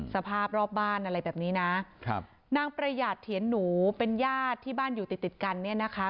สภาพรอบบ้านอะไรแบบนี้นะครับนางประหยาดเถียนหนูเป็นญาติที่บ้านอยู่ติดติดกันเนี่ยนะคะ